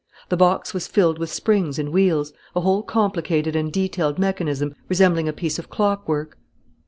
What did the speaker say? The box was filled with springs and wheels, a whole complicated and detailed mechanism resembling a piece of clockwork.